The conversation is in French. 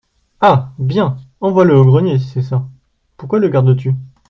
Ah ! bien ! envoie-le au grenier, si c’est ça !… pourquoi le gardes-tu ?